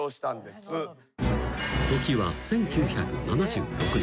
［時は１９７６年］